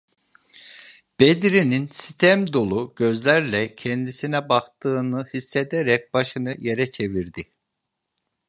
Bedri’nin sitem dolu gözlerle kendisine baktığını hissederek başını yere çevirdi.